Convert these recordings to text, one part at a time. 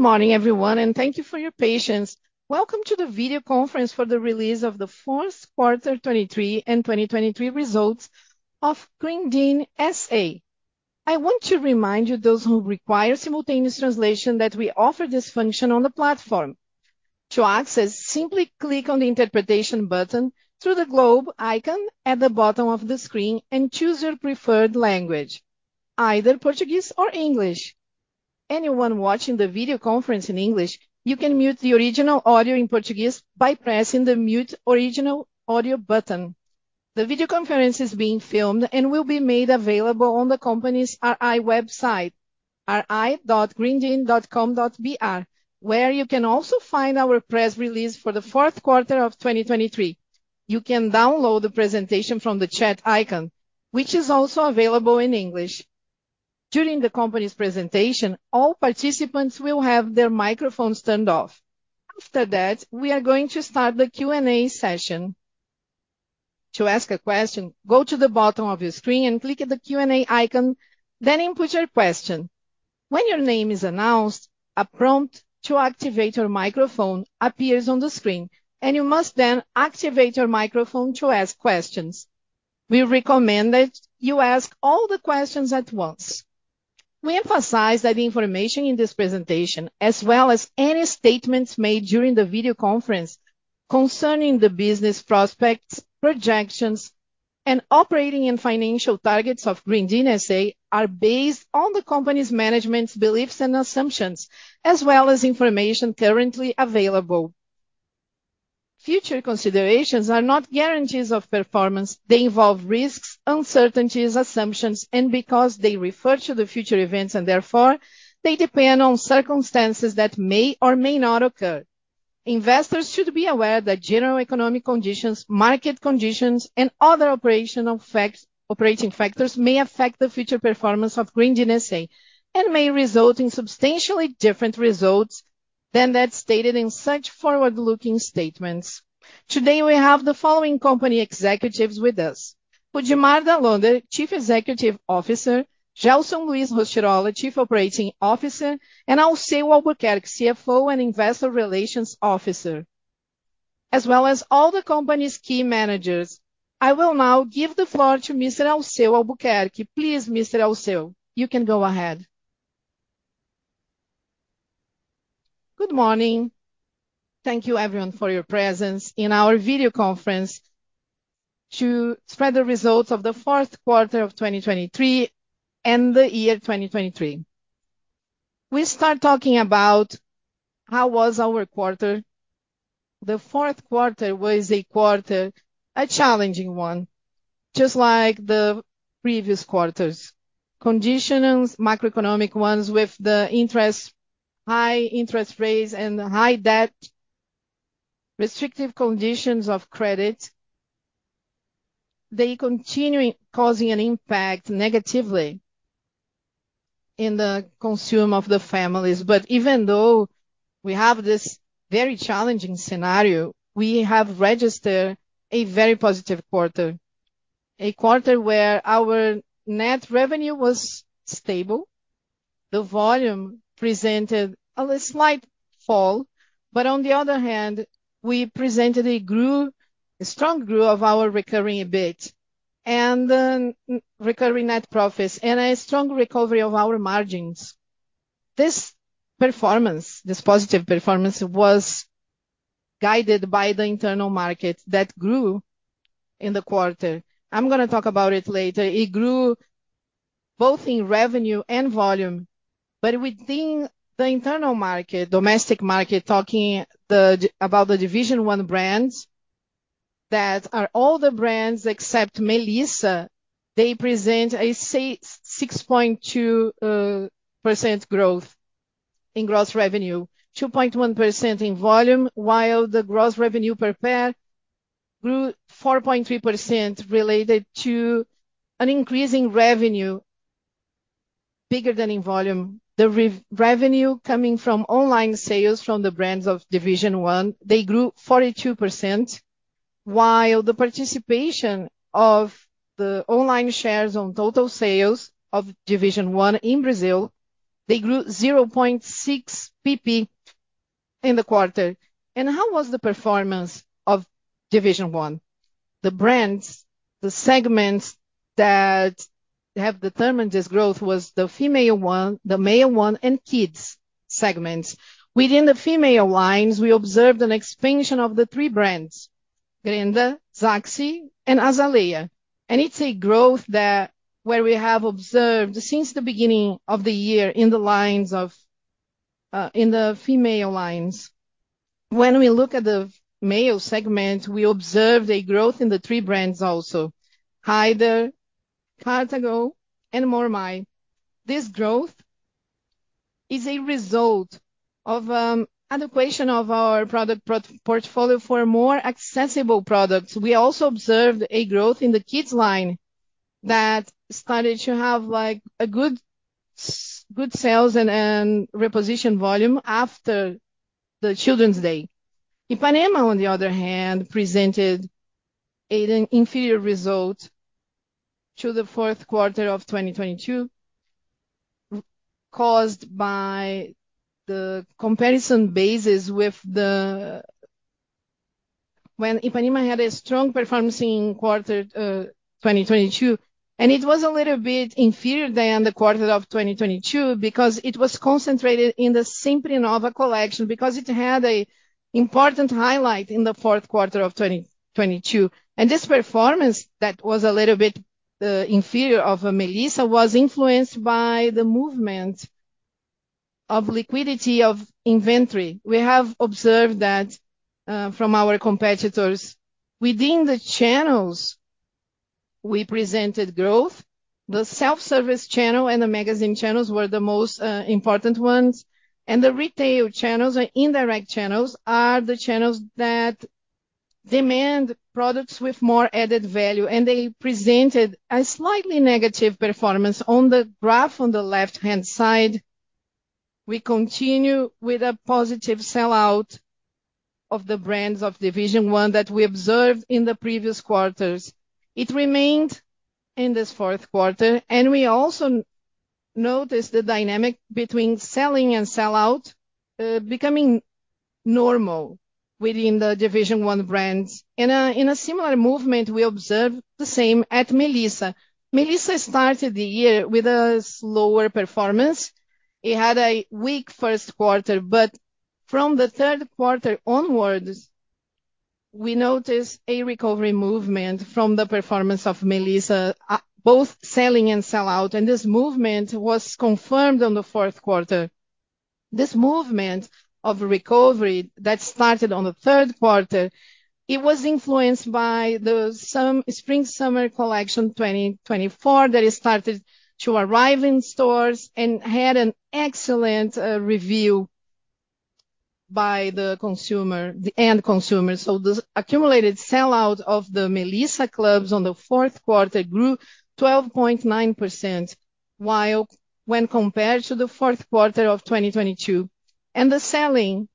Good morning, everyone, and thank you for your patience. Welcome to the video conference for the release of the 4th quarter 2023 and 2024 results of Grendene S.A. I want to remind you, those who require simultaneous translation, that we offer this function on the platform. To access, simply click on the Interpretation button through the globe icon at the bottom of the screen and choose your preferred language, either Portuguese or English. Anyone watching the video conference in English, you can mute the original audio in Portuguese by pressing the Mute Original Audio button. The video conference is being filmed and will be made available on the company's RI website, ri.grendene.com.br, where you can also find our press release for the 4th quarter of 2023. You can download the presentation from the chat icon, which is also available in English. During the company's presentation, all participants will have their microphones turned off. After that, we are going to start the Q&A session. To ask a question, go to the bottom of your screen and click at the Q&A icon, then input your question. When your name is announced, a prompt to activate your microphone appears on the screen, and you must then activate your microphone to ask questions. We recommend that you ask all the questions at once. We emphasize that the information in this presentation, as well as any statements made during the video conference concerning the business prospects, projections, and operating and financial targets of Grendene S.A., are based on the company's management's beliefs and assumptions, as well as information currently available. Future considerations are not guarantees of performance. They involve risks, uncertainties, assumptions, and because they refer to the future events, and therefore they depend on circumstances that may or may not occur. Investors should be aware that general economic conditions, market conditions, and other operational factors may affect the future performance of Grendene S.A., and may result in substantially different results than that stated in such forward-looking statements. Today we have the following company executives with us: Rudimar Dall'Onder, Chief Executive Officer; Gelson Luis Rostirolla, Chief Operating Officer; and Alceu Demartini de Albuquerque, CFO and Investor Relations Officer. As well as all the company's key managers. I will now give the floor to Mr. Alceu Demartini de Albuquerque. Please, Mr. Alceu, you can go ahead. Good morning. Thank you, everyone, for your presence in our video conference to spread the results of the 4th quarter of 2023 and the year 2023. We start talking about how our quarter was. The 4th quarter was a quarter, a challenging one, just like the previous quarters. Conditions, macroeconomic ones, with the high interest rates and high debt, restrictive conditions of credit, they continued causing an impact negatively on the consumer of the families. But even though we have this very challenging scenario, we have registered a very positive quarter. A quarter where our net revenue was stable. The volume presented a slight fall. But on the other hand, we presented a strong growth of our recurring EBIT and recurring net profits, and a strong recovery of our margins. This performance, this positive performance, was guided by the internal market that grew in the quarter. I'm going to talk about it later. It grew both in revenue and volume. But within the internal market, domestic market, talking about the Division One brands, that are all the brands except Melissa, they presented a 6.2% growth in gross revenue, 2.1% in volume, while the gross revenue per pair grew 4.3% related to an increasing revenue bigger than in volume. The revenue coming from online sales from the brands of Division One, they grew 42%, while the participation of the online shares on total sales of Division One in Brazil, they grew 0.6% in the quarter. And how was the performance of Division One? The brands, the segments that have determined this growth were the female one, the male one, and kids segments. Within the female lines, we observed an expansion of the three brands: Grendha, Zaxy, and Azaleia. And it's a growth that we have observed since the beginning of the year in the lines of the female lines. When we look at the male segments, we observed a growth in the three brands also: Rider, Cartago, and Mormaii. This growth is a result of an adaptation of our product portfolio for more accessible products. We also observed a growth in the kids line that started to have good sales and reposition volume after the Children's Day. Ipanema, on the other hand, presented an inferior result through the 4th quarter of 2022, caused by the comparison basis with the when Ipanema had a strong performance in quarter 2022, and it was a little bit inferior than the quarter of 2022 because it was concentrated in the Sempre Nova collection, because it had an important highlight in the 4th quarter of 2022. And this performance that was a little bit inferior to Melissa was influenced by the movement of liquidation of inventory. We have observed that from our competitors, within the channels we presented growth, the self-service channel and the magazine channels were the most important ones. The retail channels, or indirect channels, are the channels that demand products with more added value, and they presented a slightly negative performance. On the graph on the left-hand side, we continue with a positive sellout of the brands of Division One that we observed in the previous quarters. It remained in this 4th quarter. We also noticed the dynamic between selling and sellout becoming normal within the Division One brands. In a similar movement, we observed the same at Melissa. Melissa started the year with a slower performance. It had a weak 1st quarter. From the 3rd quarter onwards, we noticed a recovery movement from the performance of Melissa, both selling and sellout. This movement was confirmed in the 4th quarter. This movement of recovery that started in the 3rd quarter, it was influenced by some spring/summer collection 2024 that started to arrive in stores and had an excellent review by the consumer, the end consumer. The accumulated sellout of the Melissa clubs in the 4th quarter grew 12.9% when compared to the 4th quarter of 2022. The sell-in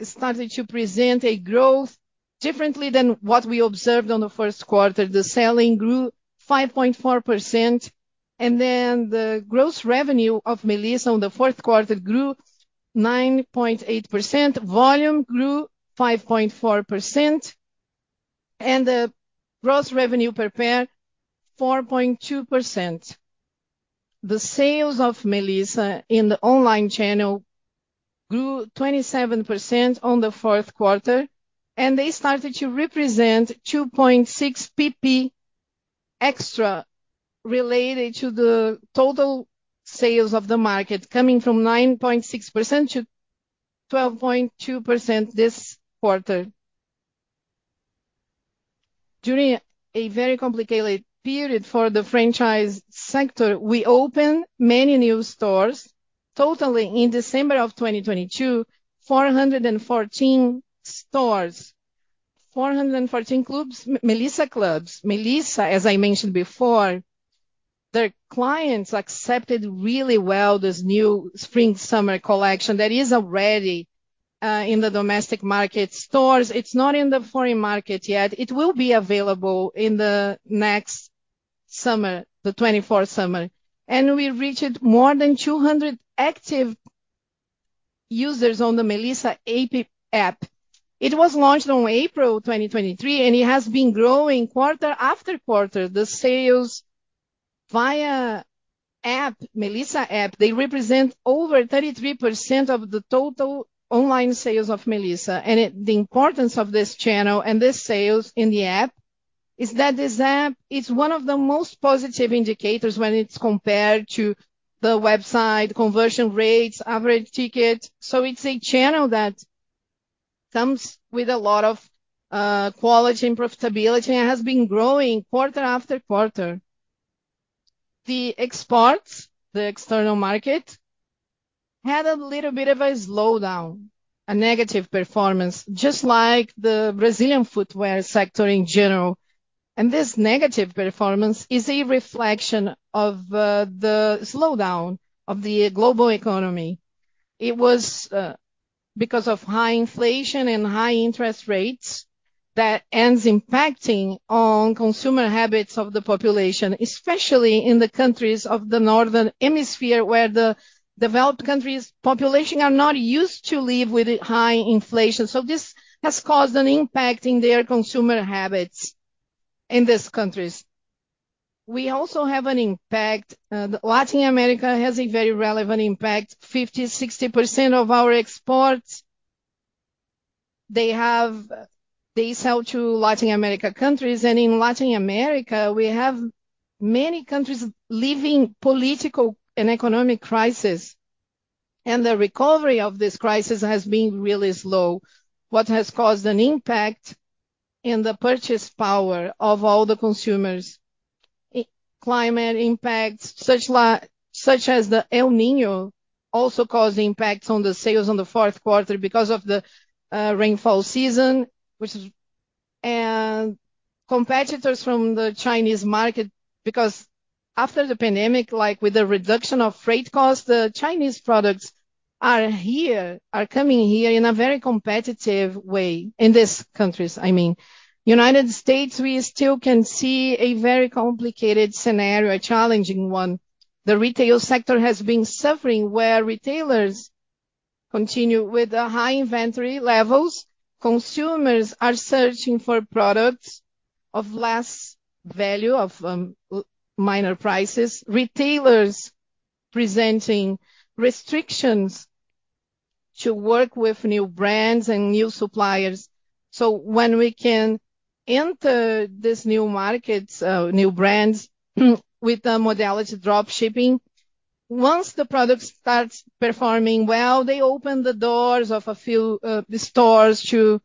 started to present a growth differently than what we observed in the 1st quarter. The sell-in grew 5.4%. The gross revenue of Melissa in the 4th quarter grew 9.8%. Volume grew 5.4%. The gross revenue per pair grew 4.2%. The sales of Melissa in the online channel grew 27% in the 4th quarter. They started to represent 2.6% extra related to the total sales of the market, coming from 9.6% to 12.2% this quarter. During a very complicated period for the franchise sector, we opened many new stores. Totally, in December of 2022, 414 stores, 414 clubs, Melissa clubs. Melissa, as I mentioned before, their clients accepted really well this new spring/summer collection that is already in the domestic market stores. It's not in the foreign market yet. It will be available in the next summer, the 2024 summer. And we reached more than 200 active users on the Melissa App. It was launched in April 2023, and it has been growing quarter after quarter. The sales via the app, Melissa app, they represent over 33% of the total online sales of Melissa. And the importance of this channel and the sales in the app is that this app is one of the most positive indicators when it's compared to the website, conversion rates, average ticket. So it's a channel that comes with a lot of quality and profitability, and has been growing quarter after quarter. The exports, the external market, had a little bit of a slowdown, a negative performance, just like the Brazilian footwear sector in general. And this negative performance is a reflection of the slowdown of the global economy. It was because of high inflation and high interest rates that end up impacting on consumer habits of the population, especially in the countries of the Northern Hemisphere, where the developed countries' populations are not used to living with high inflation. So this has caused an impact in their consumer habits in these countries. We also have an impact. Latin America has a very relevant impact. 50%-60% of our exports, they sell to Latin America countries. And in Latin America, we have many countries living in political and economic crises. The recovery of this crisis has been really slow, which has caused an impact on the purchasing power of all the consumers. Climate impacts, such as El Niño, also caused impacts on the sales in the 4th quarter because of the rainfall season, which is. Competitors from the Chinese market, because after the pandemic, like with the reduction of freight costs, the Chinese products are here, are coming here in a very competitive way in these countries. I mean, in the United States, we still can see a very complicated scenario, a challenging one. The retail sector has been suffering, where retailers continue with high inventory levels. Consumers are searching for products of less value, of minor prices. Retailers are presenting restrictions to work with new brands and new suppliers. So when we can enter these new markets, new brands, with the modality of dropshipping, once the products start performing well, they open the doors of a few stores to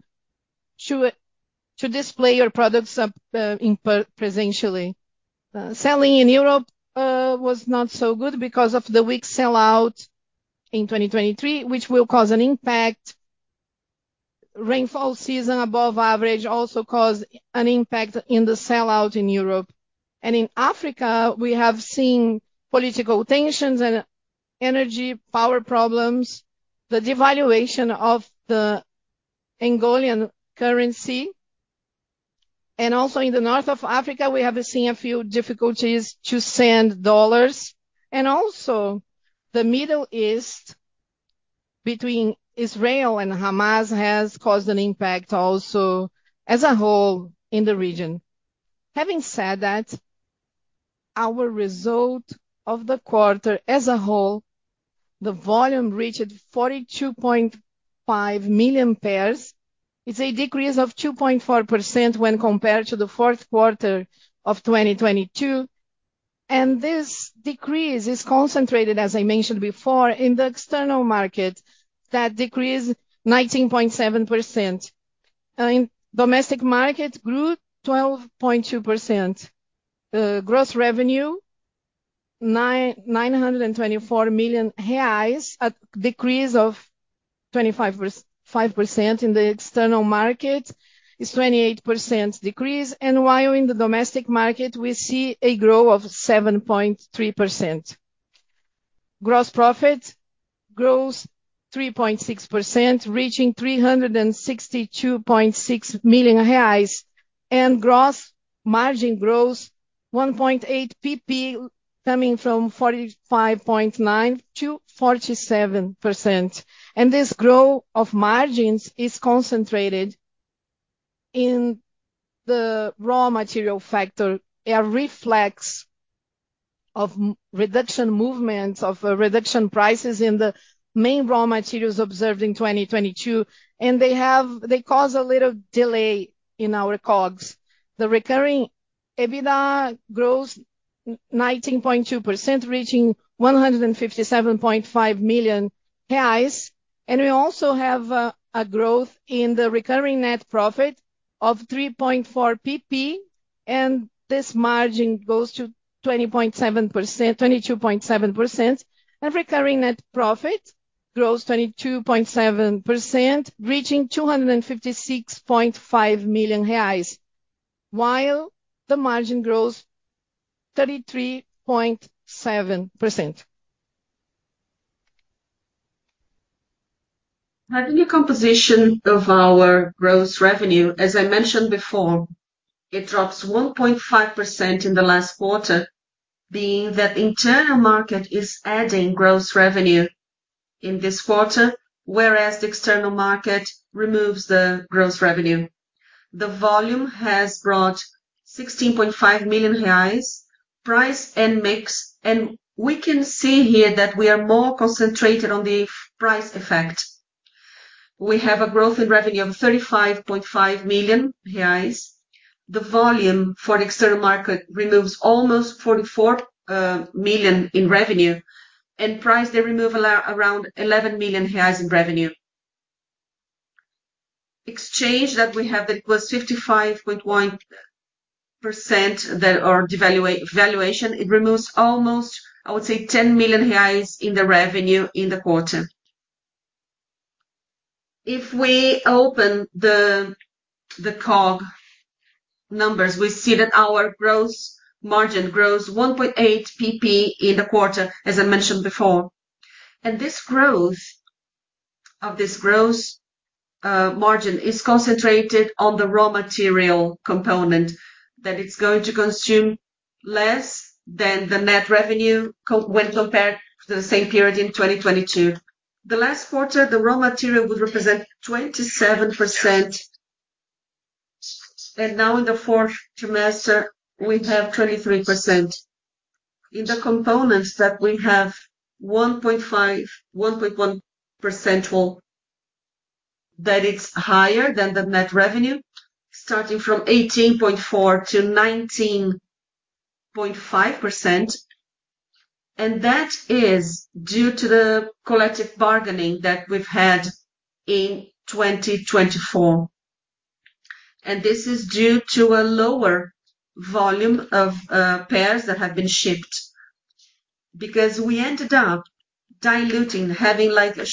display your products in presentially. Selling in Europe was not so good because of the weak sellout in 2023, which will cause an impact. Rainfall season, above average, also caused an impact on the sellout in Europe. And in Africa, we have seen political tensions and energy power problems, the devaluation of the Angolan currency. And also in the North of Africa, we have seen a few difficulties to send dollars. And also, the Middle East, between Israel and Hamas, has caused an impact also as a whole in the region. Having said that, as a result of the quarter as a whole, the volume reached 42.5 million pairs. It's a decrease of 2.4% when compared to the 4th quarter of 2022. This decrease is concentrated, as I mentioned before, in the external market. That decreased 19.7%. In the domestic market, it grew 12.2%. Gross revenue, 924 million reais, a decrease of 25% in the external market, is a 28% decrease. While in the domestic market, we see a growth of 7.3%. Gross profit grows 3.6%, reaching 362.6 million reais. Gross margin grows 1.8%, coming from 45.9%-47%. This growth of margins is concentrated in the raw material factor, a reflex of reduction movements of reduction prices in the main raw materials observed in 2022. They have caused a little delay in our COGS. The recurring EBITDA grows 19.2%, reaching 157.5 million reais. We also have a growth in the recurring net profit of 3.4%. This margin goes to 22.7%. Recurring net profit grows 22.7%, reaching 256.5 million reais, while the margin grows 33.7%. Having a composition of our gross revenue, as I mentioned before, it drops 1.5% in the last quarter, being that the internal market is adding gross revenue in this quarter, whereas the external market removes the gross revenue. The volume has brought 16.5 million reais price and mix. We can see here that we are more concentrated on the price effect. We have a growth in revenue of 35.5 million reais. The volume for the external market removes almost 44 million in revenue. Price, they remove around 11 million reais in revenue. Exchange that we have, that was 55.1%, or devaluation, it removes almost, I would say, 10 million reais in the revenue in the quarter. If we open the COGS numbers, we see that our gross margin grows 1.8% in the quarter, as I mentioned before. This growth of this gross margin is concentrated on the raw material component, that it's going to consume less than the net revenue when compared to the same period in 2022. The last quarter, the raw material would represent 27%. And now in the 4th trimester, we have 23%. In the components that we have, 1.1% that it's higher than the net revenue, starting from 18.4%-19.5%. And that is due to the collective bargaining that we've had in 2024. And this is due to a lower volume of pairs that have been shipped, because we ended up diluting, having a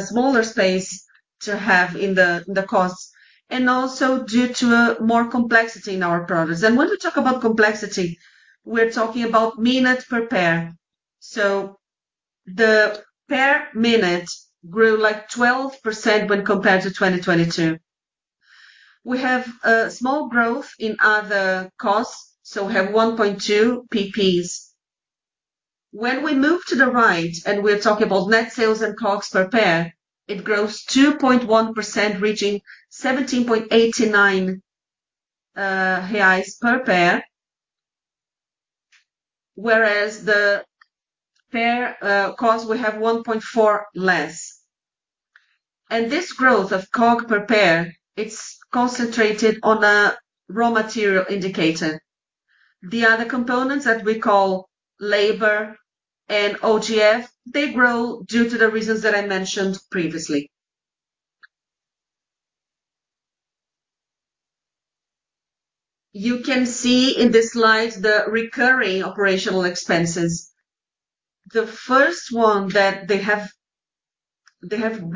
smaller space to have in the costs, and also due to more complexity in our products. When we talk about complexity, we're talking about minute per pair. So the pair minute grew like 12% when compared to 2022. We have a small growth in other costs. So we have 1.2%. When we move to the right, and we're talking about net sales and COGS per pair, it grows 2.1%, reaching 17.89 reais per pair, whereas the pair cost, we have 1.4% less. And this growth of COGS per pair, it's concentrated on a raw material indicator. The other components that we call labor and OGF, they grow due to the reasons that I mentioned previously. You can see in this slide the recurring operational expenses. The first one, they have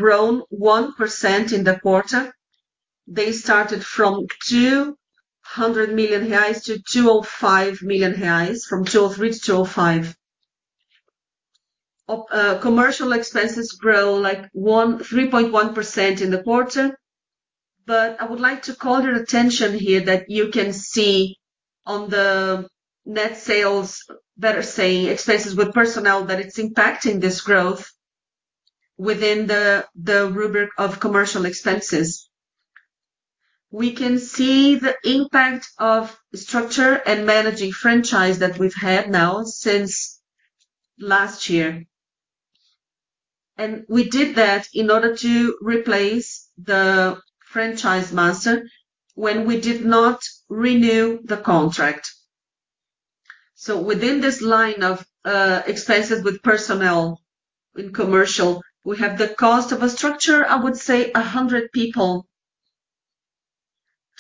grown 1% in the quarter. They started from 200 million reais to 205 million reais, from 203 million to 205 million. Commercial expenses grow like 3.1% in the quarter. But I would like to call your attention here that you can see on the net sales, better saying, expenses with personnel, that it's impacting this growth within the rubric of commercial expenses. We can see the impact of structure and managing franchise that we've had now since last year. We did that in order to replace the franchise master when we did not renew the contract. Within this line of expenses with personnel in commercial, we have the cost of a structure, I would say, 100 people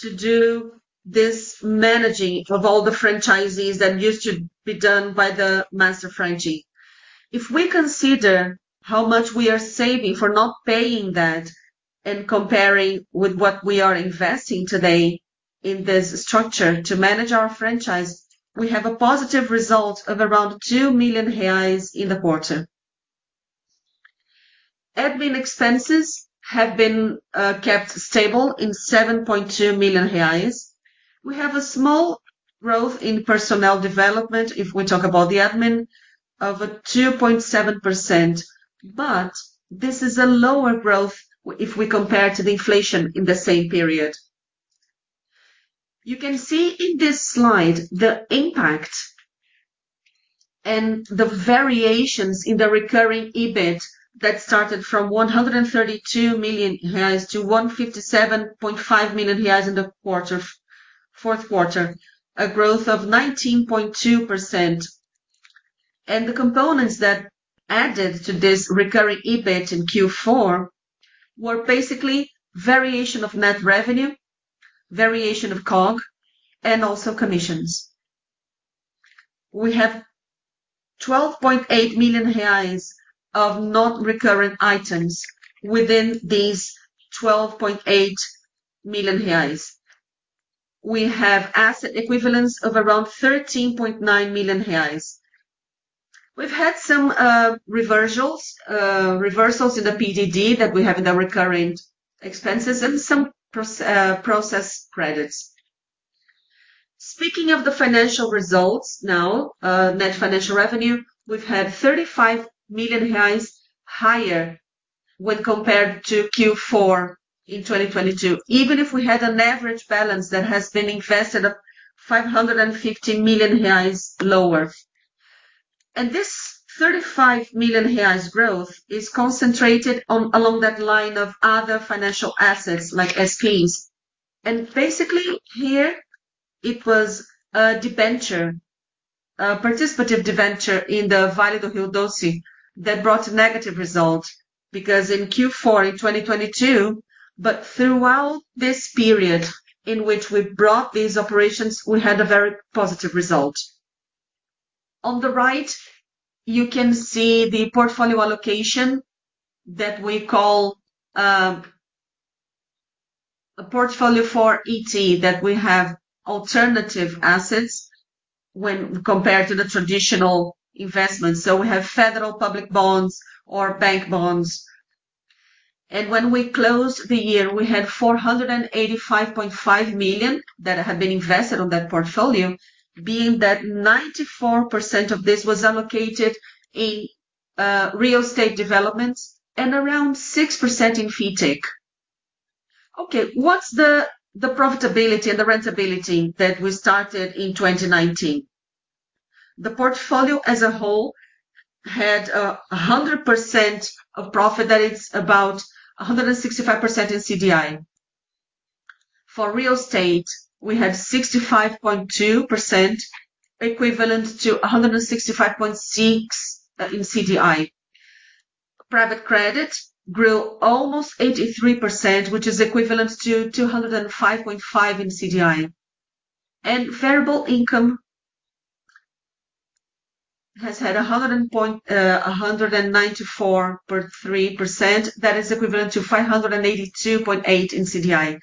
to do this managing of all the franchisees that used to be done by the master franchise. If we consider how much we are saving for not paying that and comparing with what we are investing today in this structure to manage our franchise, we have a positive result of around 2 million reais in the quarter. Admin expenses have been kept stable in 7.2 million reais. We have a small growth in personnel development, if we talk about the admin, of 2.7%. But this is a lower growth if we compare to the inflation in the same period. You can see in this slide the impact and the variations in the recurring EBIT that started from 132 million reais to 157.5 million reais in the 4th quarter, a growth of 19.2%. And the components that added to this recurring EBIT in Q4 were basically variation of net revenue, variation of COGS, and also commissions. We have 12.8 million reais of non-recurring items within these 12.8 million reais. We have asset equivalents of around 13.9 million reais. We've had some reversals in the PDD that we have in the recurring expenses and some process credits. Speaking of the financial results now, net financial revenue, we've had 35 million reais higher when compared to Q4 in 2022, even if we had an average balance that has been invested of 550 million reais lower. And this 35 million reais growth is concentrated along that line of other financial assets, like SPEs. And basically, here, it was a participative debenture in the Vale do Rio Doce that brought a negative result because in Q4 in 2022. But throughout this period in which we brought these operations, we had a very positive result. On the right, you can see the portfolio allocation that we call a portfolio for ET, that we have alternative assets when compared to the traditional investments. So we have federal public bonds or bank bonds. When we closed the year, we had 485.5 million that have been invested on that portfolio, being that 94% of this was allocated in real estate developments and around 6% in Fintech. Okay, what's the profitability and the rentability that we started in 2019? The portfolio as a whole had 100% of profit, that it's about 165% in CDI. For real estate, we had 65.2% equivalent to 165.6% in CDI. Private credit grew almost 83%, which is equivalent to 205.5% in CDI. Variable income has had 194.3%, that is equivalent to 582.8% in CDI.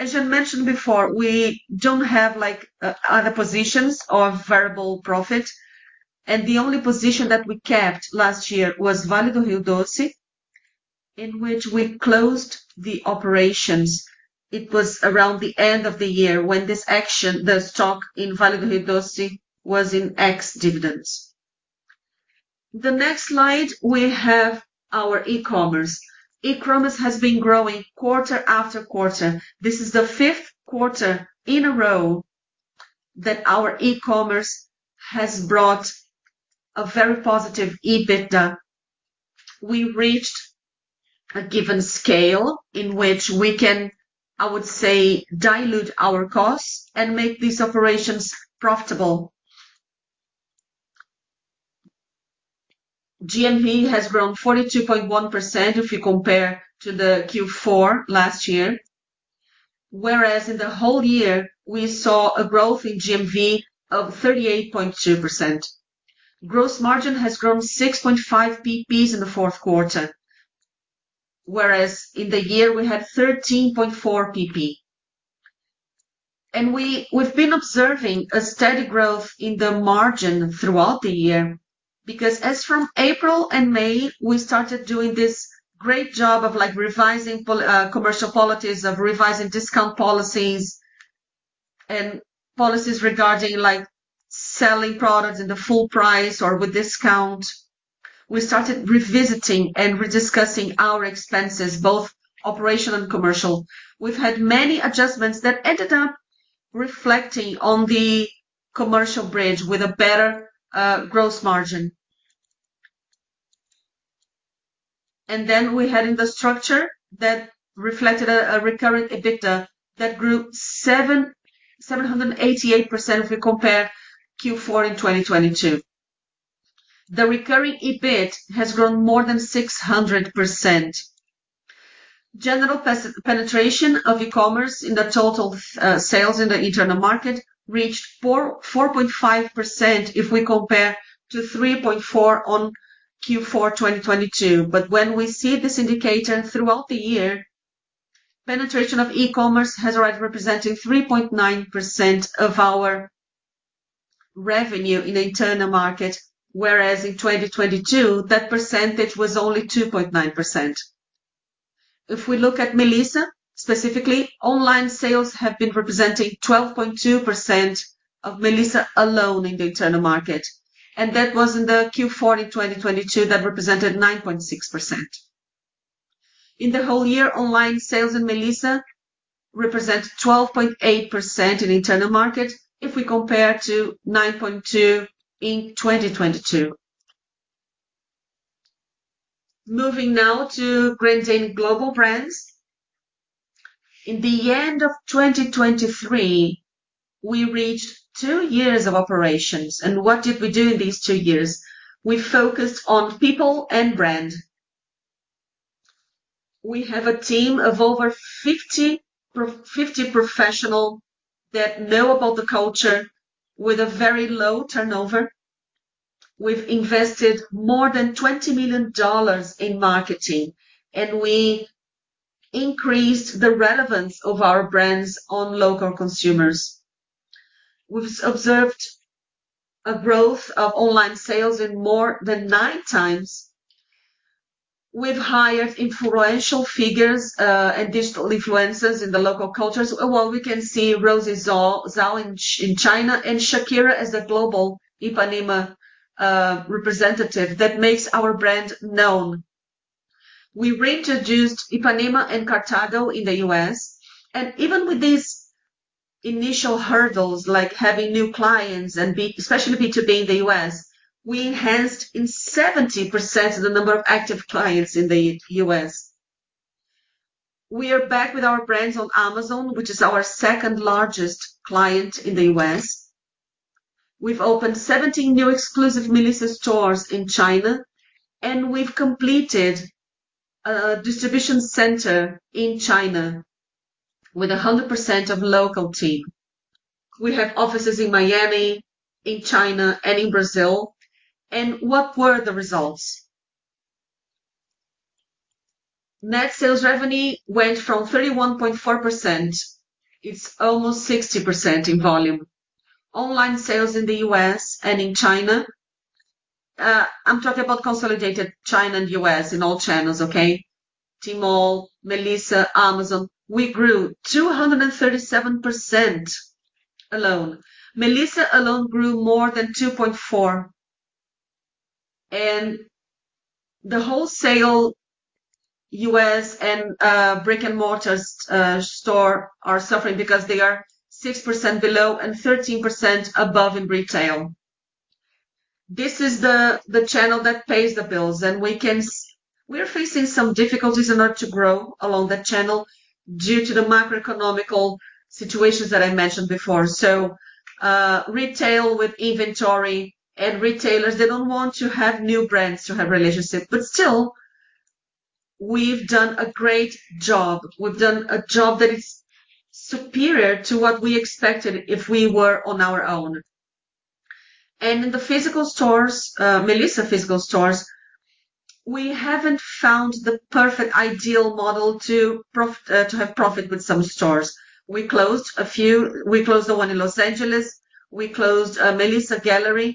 As I mentioned before, we don't have other positions of variable profit. The only position that we kept last year was Vale do Rio Doce, in which we closed the operations. It was around the end of the year when the stock in Vale do Rio Doce was in ex-dividend. The next slide, we have our e-commerce. E-commerce has been growing quarter after quarter. This is the fifth quarter in a row that our e-commerce has brought a very positive EBITDA. We reached a given scale in which we can, I would say, dilute our costs and make these operations profitable. GMV has grown 42.1% if you compare to the Q4 last year, whereas in the whole year, we saw a growth in GMV of 38.2%. Gross margin has grown 6.5% in the 4th quarter, whereas in the year, we had 13.4%. We've been observing a steady growth in the margin throughout the year because as from April and May, we started doing this great job of revising commercial policies, of revising discount policies, and policies regarding selling products at the full price or with discount. We started revisiting and rediscussing our expenses, both operational and commercial. We've had many adjustments that ended up reflecting on the commercial bridge with a better gross margin. Then we had in the structure that reflected a recurrent EBITDA that grew 788% if we compare Q4 in 2022. The recurring EBIT has grown more than 600%. General penetration of e-commerce in the total sales in the internal market reached 4.5% if we compare to 3.4% on Q4 2022. When we see this indicator throughout the year, penetration of e-commerce has already been representing 3.9% of our revenue in the internal market, whereas in 2022, that percentage was only 2.9%. If we look at Melissa specifically, online sales have been representing 12.2% of Melissa alone in the internal market. That was in the Q4 in 2022 that represented 9.6%. In the whole year, online sales in Melissa represent 12.8% in the internal market if we compare to 9.2% in 2022. Moving now to Grendene Global Brands. In the end of 2023, we reached two years of operations. And what did we do in these two years? We focused on people and brand. We have a team of over 50 professionals that know about the culture with a very low turnover. We've invested more than $20 million in marketing, and we increased the relevance of our brands on local consumers. We've observed a growth of online sales in more than 9x. We've hired influential figures and digital influencers in the local cultures. Well, we can see Rosy Zhao in China and Shakira as the global Ipanema representative that makes our brand known. We reintroduced Ipanema and Cartago in the U.S. Even with these initial hurdles, like having new clients, especially B2B in the U.S., we enhanced in 70% the number of active clients in the U.S. We are back with our brands on Amazon, which is our second-largest client in the U.S. We've opened 17 new exclusive Melissa stores in China, and we've completed a distribution center in China with 100% of local team. We have offices in Miami, in China, and in Brazil. And what were the results? Net sales revenue went from 31.4%. It's almost 60% in volume. Online sales in the U.S. and in China, I'm talking about consolidated China and U.S. in all channels, okay? Tmall, Melissa, Amazon, we grew 237% alone. Melissa alone grew more than 2.4%. And the wholesale U.S. and brick-and-mortar store are suffering because they are 6% below and 13% above in retail. This is the channel that pays the bills. We're facing some difficulties in order to grow along that channel due to the macroeconomic situations that I mentioned before. So retail with inventory and retailers, they don't want to have new brands to have relationships. But still, we've done a great job. We've done a job that is superior to what we expected if we were on our own. In the Melissa physical stores, we haven't found the perfect ideal model to have profit with some stores. We closed a few. We closed the one in Los Angeles. We closed Galeria Melissa.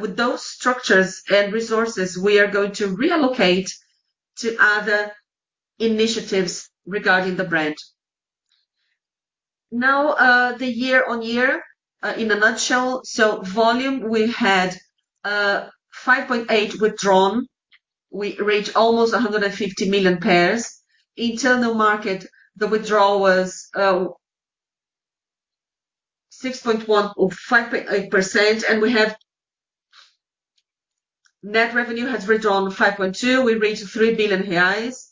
With those structures and resources, we are going to reallocate to other initiatives regarding the brand. Now, the year-on-year, in a nutshell, so volume, we had 5.8% withdrawn. We reached almost 150 million pairs. Internal market, the withdrawal was 6.1% or 5.8%. Net revenue has withdrawn 5.2%. We reached 3 billion reais.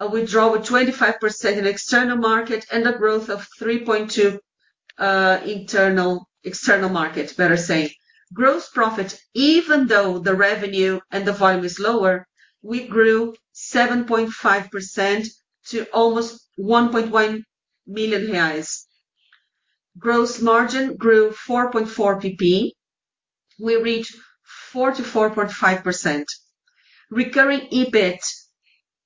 A withdrawal of 25% in external market and a growth of 3.2% external market, better say. Gross profit, even though the revenue and the volume is lower, we grew 7.5% to almost 1.1 million reais. Gross margin grew 4.4%. We reached 44.5%. Recurring EBIT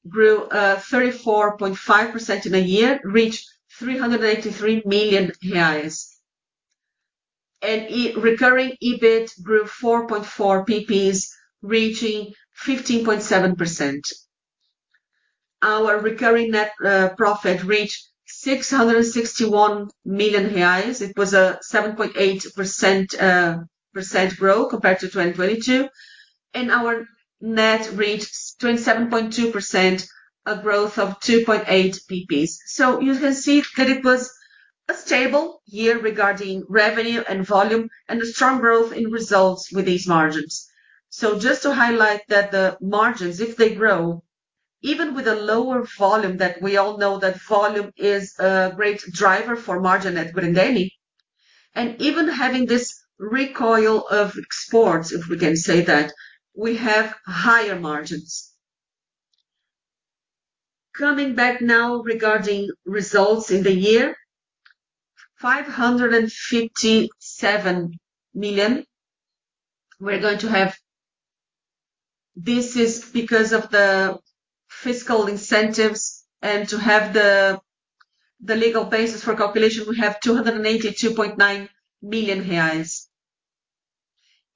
grew 34.5% in a year, reached 383 million reais. And recurring EBIT grew 4.4%, reaching 15.7%. Our recurring net profit reached 661 million reais. It was a 7.8% growth compared to 2022. And our net reached 27.2%, a growth of 2.8%. So you can see that it was a stable year regarding revenue and volume and a strong growth in results with these margins. So just to highlight that the margins, if they grow, even with a lower volume that we all know that volume is a great driver for margin at Grendene, and even having this recoil of exports, if we can say that, we have higher margins. Coming back now regarding results in the year, 557 million. We're going to have this because of the fiscal incentives. And to have the legal basis for calculation, we have 282.9 million reais.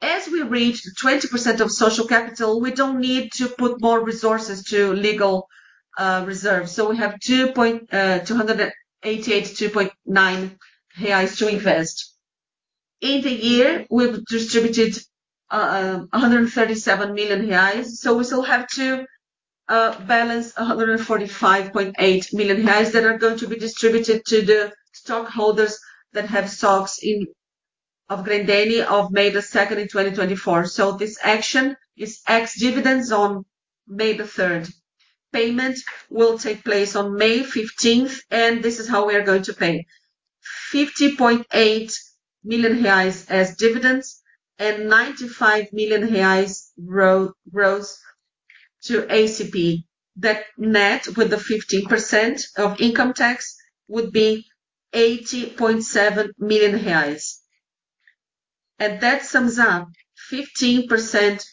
As we reached 20% of social capital, we don't need to put more resources to legal reserves. So we have 288.29 million reais to invest. In the year, we've distributed 137 million reais. So we still have to balance 145.8 million reais that are going to be distributed to the stockholders that have stocks of Grendene of May 2nd, 2024. So this action is ex-dividends on May 3rd. Payment will take place on May 15th. This is how we are going to pay: 50.8 million reais as dividends and 95 million reais as JCP. That net, with the 15% of income tax, would be 80.7 million reais. That sums up 15%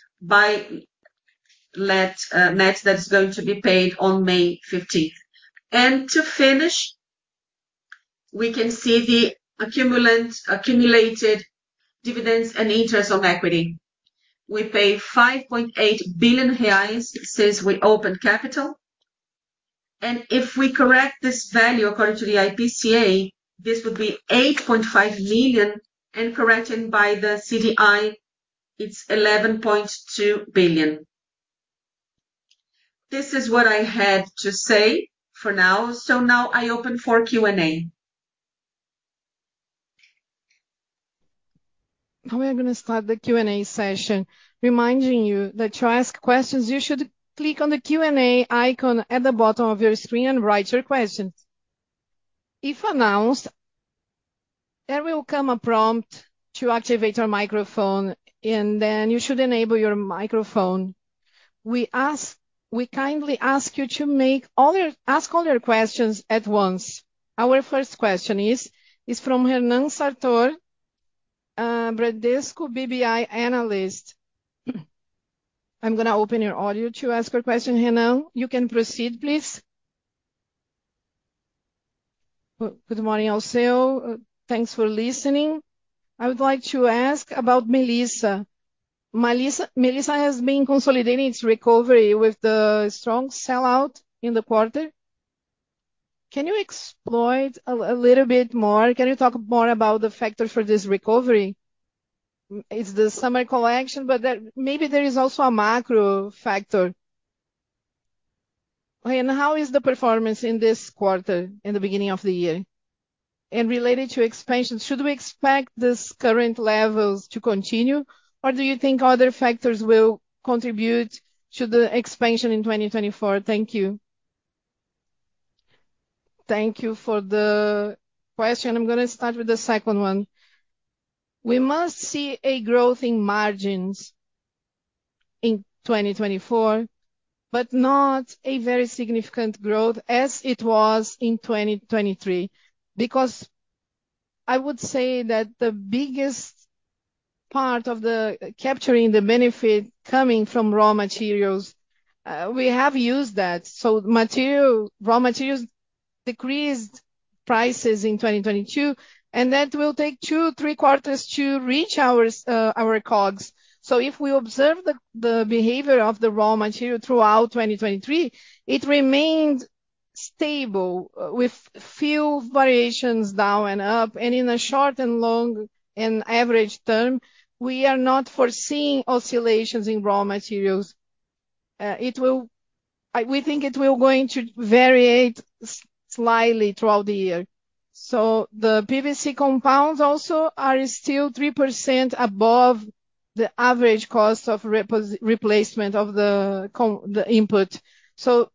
net that's going to be paid on May 15th. To finish, we can see the accumulated dividends and interest on equity. We pay 5.8 billion reais since we opened capital. If we correct this value according to the IPCA, this would be 8.5 billion. Corrected by the CDI, it's 11.2 billion. This is what I had to say for now. So now I open for Q&A. We are going to start the Q&A session reminding you that to ask questions, you should click on the Q&A icon at the bottom of your screen and write your questions. If announced, there will come a prompt to activate your microphone, and then you should enable your microphone. We kindly ask you to ask all your questions at once. Our first question is from Renan Sartor, Bradesco BBI analyst. I'm going to open your audio to ask your question, Hernán. You can proceed, please. Good morning, Alceu. Thanks for listening. I would like to ask about Melissa. Melissa has been consolidating its recovery with the strong sellout in the quarter. Can you elaborate a little bit more? Can you talk more about the factor for this recovery? It's the summer collection, but maybe there is also a macro factor. How is the performance in this quarter in the beginning of the year? And related to expansion, should we expect these current levels to continue, or do you think other factors will contribute to the expansion in 2024? Thank you. Thank you for the question. I'm going to start with the second one. We must see a growth in margins in 2024, but not a very significant growth as it was in 2023 because I would say that the biggest part of capturing the benefit coming from raw materials, we have used that. So raw materials decreased prices in 2022, and that will take 2-3 quarters to reach our COGS. So if we observe the behavior of the raw material throughout 2023, it remained stable with few variations down and up. And in the short and long and average term, we are not foreseeing oscillations in raw materials. We think it is going to vary slightly throughout the year. So the PVC compounds also are still 3% above the average cost of replacement of the input. So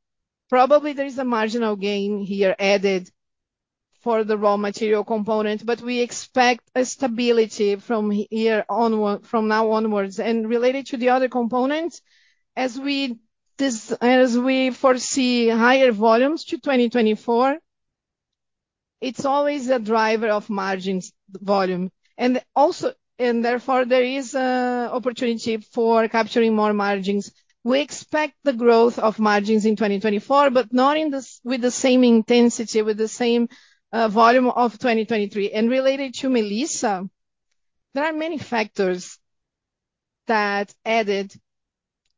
probably there is a marginal gain here added for the raw material component, but we expect stability from now onwards. Related to the other components, as we foresee higher volumes in 2024, it is always a driver of margin by volume. And therefore, there is an opportunity for capturing more margins. We expect the growth of margins in 2024, but not with the same intensity, with the same volume of 2023. And related to Melissa, there are many factors that added.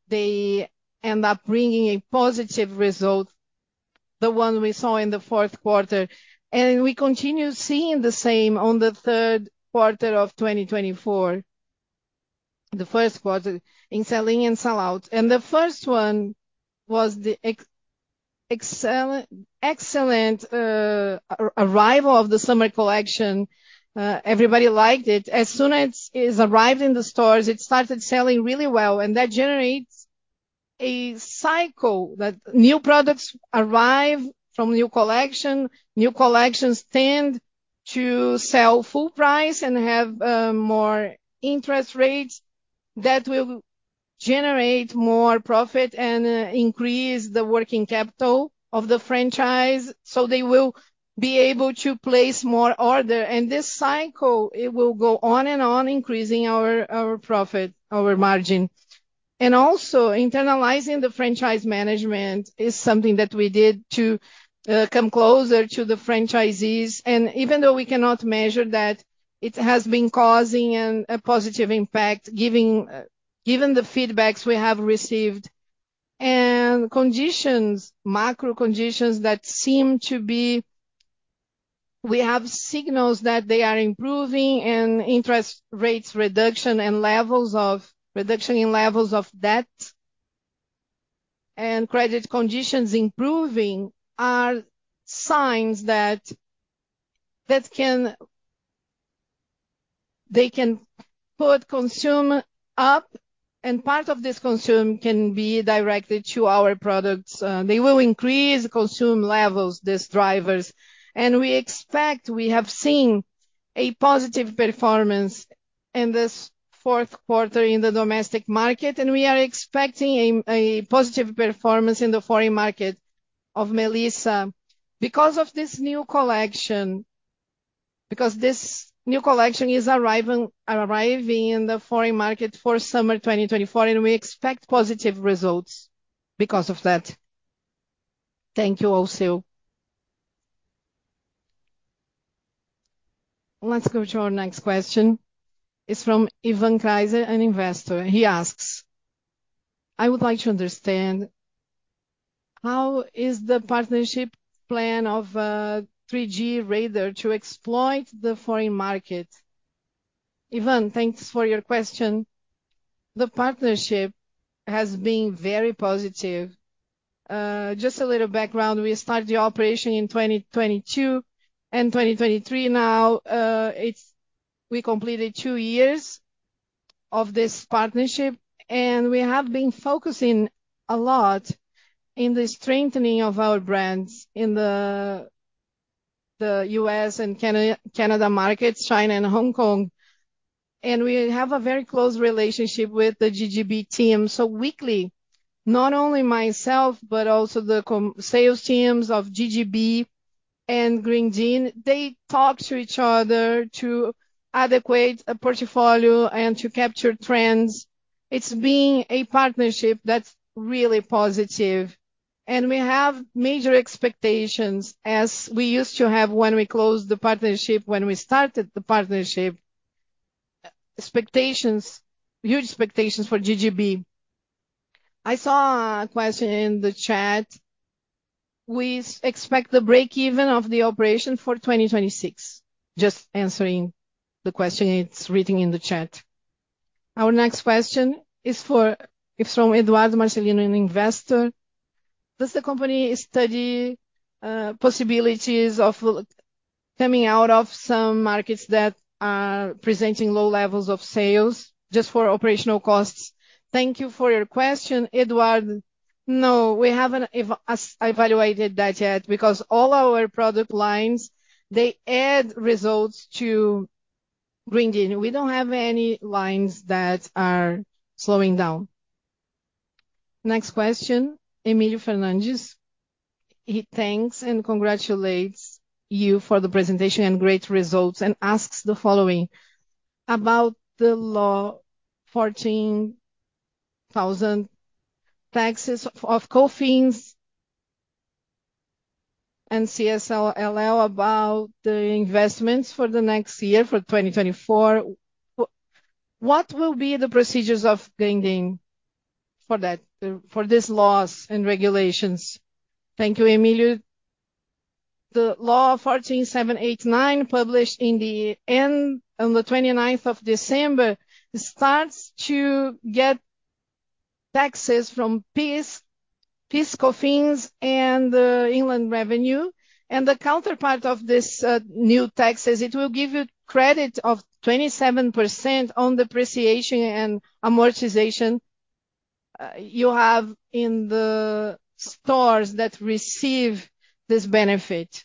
They end up bringing a positive result, the one we saw in the fourth quarter. And we continue seeing the same in the third quarter of 2024, the first quarter in sell-in and sell-out. The first one was the excellent arrival of the summer collection. Everybody liked it. As soon as it arrived in the stores, it started selling really well. That generates a cycle that new products arrive from new collections. New collections tend to sell full price and have more interest rates. That will generate more profit and increase the working capital of the franchise. So they will be able to place more order. This cycle, it will go on and on, increasing our profit, our margin. Also, internalizing the franchise management is something that we did to come closer to the franchisees. Even though we cannot measure that, it has been causing a positive impact, given the feedbacks we have received. Conditions, macro conditions, that seem to be. We have signals that they are improving. Interest rates reduction and reduction in levels of debt and credit conditions improving are signs that they can put consumption up. Part of this consumption can be directed to our products. They will increase consumption levels, these drivers. And we expect we have seen a positive performance in this fourth quarter in the domestic market. And we are expecting a positive performance in the foreign market of Melissa because of this new collection, because this new collection is arriving in the foreign market for summer 2024. And we expect positive results because of that. Thank you, Alceu. Let's go to our next question. It's from Yvan Kreiser, an investor. He asks, "I would like to understand how is the partnership plan of 3G Radar to exploit the foreign market?" Yvan, thanks for your question. The partnership has been very positive. Just a little background: we started the operation in 2022 and 2023 now. We completed two years of this partnership. We have been focusing a lot on the strengthening of our brands in the U.S. and Canada markets, China and Hong Kong. We have a very close relationship with the GGB team. Weekly, not only myself but also the sales teams of GGB and Grendene, they talk to each other to adapt a portfolio and to capture trends. It's been a partnership that's really positive. We have major expectations, as we used to have when we closed the partnership, when we started the partnership, huge expectations for GGB. I saw a question in the chat. We expect the break-even of the operation for 2026. Just answering the question, it's written in the chat. Our next question is from Eduardo Marcelino, an investor. Does the company study possibilities of coming out of some markets that are presenting low levels of sales just for operational costs?" Thank you for your question, Eduardo. No, we haven't evaluated that yet because all our product lines, they add results to Grendene. We don't have any lines that are slowing down. Next question, Emilio Fernandez. He thanks and congratulates you for the presentation and great results and asks the following about the Law 14,789 taxes of COFINS and CSLL about the investments for the next year, for 2024. What will be the procedures of Grendene for this laws and regulations? Thank you, Emilio. The Law 14,789, published on the 29th of December, starts to get taxes from PIS COFINS and gross revenue. The counterpart of this new taxes, it will give you credit of 27% on depreciation and amortization you have in the stores that receive this benefit.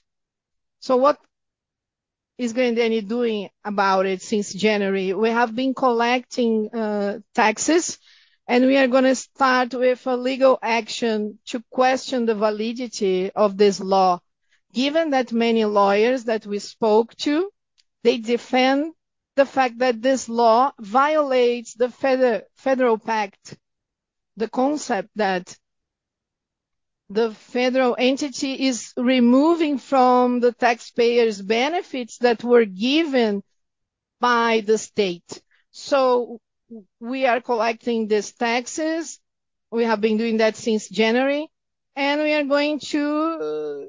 So what is Grendene doing about it since January? We have been collecting taxes. We are going to start with a legal action to question the validity of this law. Given that many lawyers that we spoke to, they defend the fact that this law violates the federal pact, the concept that the federal entity is removing from the taxpayers benefits that were given by the state. So we are collecting these taxes. We have been doing that since January. We are going to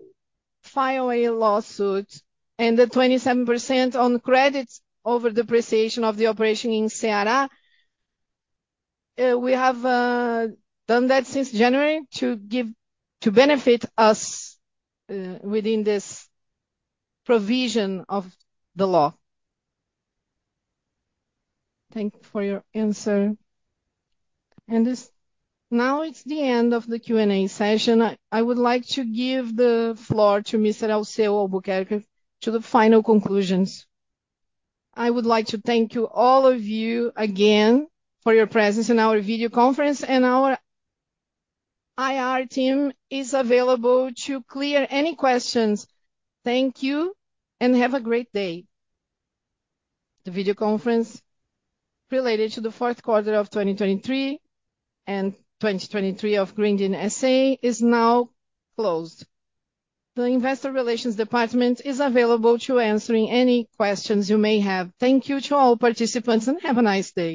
file a lawsuit. The 27% on credit over depreciation of the operation in Ceará, we have done that since January to benefit us within this provision of the law. Thank you for your answer. And now it's the end of the Q&A session. I would like to give the floor to Mr. Alceu Albuquerque to the final conclusions. I would like to thank you all of you again for your presence in our video conference. And our IR team is available to clear any questions. Thank you and have a great day. The video conference related to the fourth quarter of 2023 and 2023 of Grendene S.A. is now closed. The Investor Relations Department is available to answering any questions you may have. Thank you to all participants, and have a nice day.